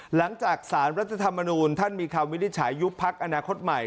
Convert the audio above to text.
หลังจากสารรัฐธรรมนูลท่านมีคำวินิจฉัยยุบพักอนาคตใหม่